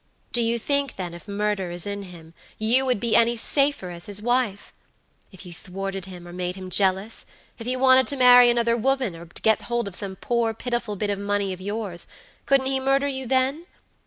Do you think, then, if murder is in him, you would be any safer as his wife? If you thwarted him, or made him jealous; if he wanted to marry another woman, or to get hold of some poor, pitiful bit of money of yours, couldn't he murder you then?